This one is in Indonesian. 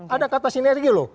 ada kata sinergi loh